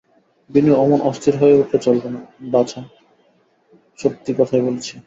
বিনু, অমন অস্থির হয়ে উঠলে চলবে না বাছা– সত্যি কথাই বলছি।